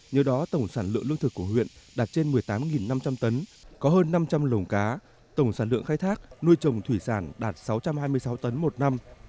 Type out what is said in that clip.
nhờ đó tổng sản lượng lương thực của huyện đạt trên một mươi tám năm trăm linh tấn có hơn năm trăm linh lồng cá tổng sản lượng khai thác nuôi trồng thủy sản đạt sáu trăm hai mươi sáu tấn một năm